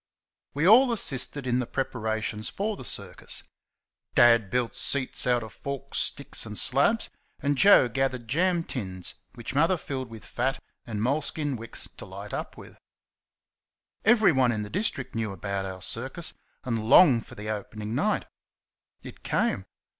We all assisted in the preparations for the circus. Dad built seats out of forked sticks and slabs, and Joe gathered jam tins which Mother filled with fat and moleskin wicks to light up with. Everyone in the district knew about our circus, and longed for the opening night. It came.